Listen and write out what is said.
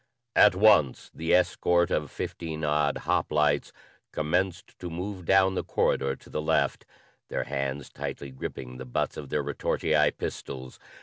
At once the escort of fifteen odd hoplites commenced to move down the corridor to the left, their hands tightly gripping the butts of their retortii pistols.